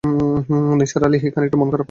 নিসার আলির খানিকটা মন-খারাপ হয়ে গেল।